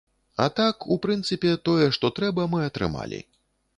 А так, у прынцыпе, тое, што трэба, мы атрымалі.